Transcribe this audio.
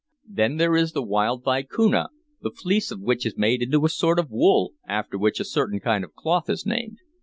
Then there is the wild vicuna, the fleece of which is made into a sort of wool, after which a certain kind of cloth is named.